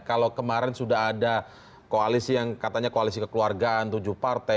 kalau kemarin sudah ada koalisi yang katanya koalisi kekeluargaan tujuh partai